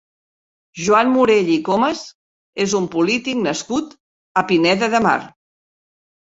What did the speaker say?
Joan Morell i Comas és un polític nascut a Pineda de Mar.